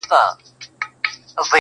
خو درد بې ځوابه پاتې کيږي تل,